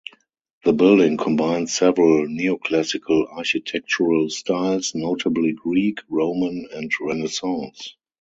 The building combines several neoclassical architectural styles, notably Greek, Roman and Renaissance.